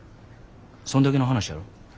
そんだけの話やろ。